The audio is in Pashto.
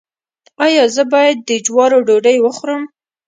ایا زه باید د جوارو ډوډۍ وخورم؟